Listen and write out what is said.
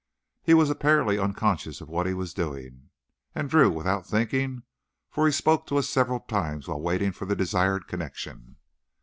He was apparently unconscious of what he was doing, and drew without thinking, for he spoke to us several times while waiting for the desired connection.